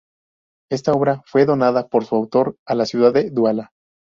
Esta obra fue donada por su autor a la ciudad de Duala.